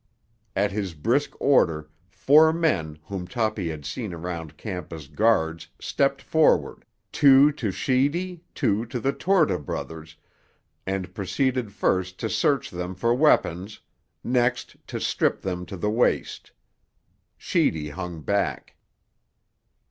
At his brisk order four men whom Toppy had seen around camp as guards stepped forward, two to Sheedy, two to the Torta brothers, and proceeded first to search them for weapons, next to strip them to the waist. Sheedy hung back.